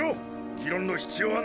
議論の必要はない。